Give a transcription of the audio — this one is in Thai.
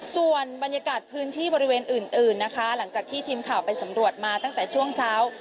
ส่วนบรรยากาศพื้นที่บริเวณอื่นนะคะหลังจากที่ทีมข่าวไปสำรวจมาตั้งแต่ช่วงเช้า